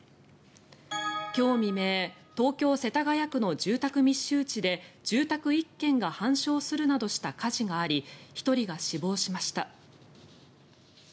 今日未明東京・世田谷区の住宅密集地で住宅１軒が半焼するなどした火事があり１人が死亡しました。